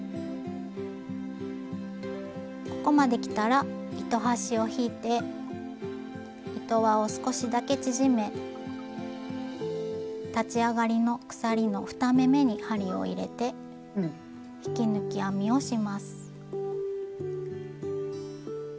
ここまできたら糸端を引いて糸輪を少しだけ縮め立ち上がりの鎖の２目めに針を入れて引き抜き編みをします。